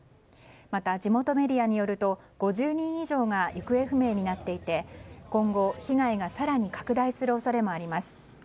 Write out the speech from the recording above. また地元メディアによると５０人以上が行方不明になっていて今後、被害が更に拡大する恐れもあります。